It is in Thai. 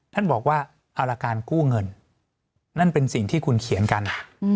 ท่านบอกว่าเอาละการกู้เงินนั่นเป็นสิ่งที่คุณเขียนกัน